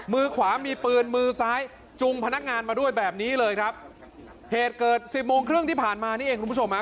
มือขวามีปืนมือซ้ายจุงพนักงานมาด้วยแบบนี้เลยครับเหตุเกิดสิบโมงครึ่งที่ผ่านมานี่เองคุณผู้ชมฮะ